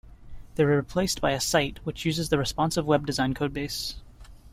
They were replaced by a site which uses the Responsive Web Design codebase.